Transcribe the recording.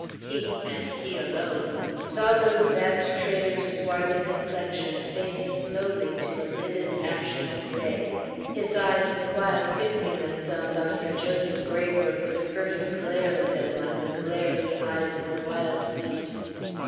He and he alone saw the Levant trader's swarthy complexion fade slowly to a livid ashen gray; his eyes the while fixing themselves on Sir Joseph Graybrooke with a furtive glare in them like the glare in the eyes of a wild beast.